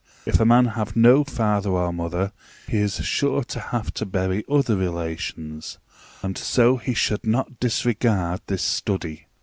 If a man have no father or mother, he is sure to have to bury other relations; and so he should not disregard this study.